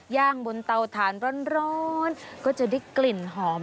ย่างบนนเตาถานร้อนก็ด้วยกลิ่นหอม